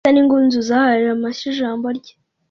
ndetse n ingunzu zahaye amashyi ijambo rye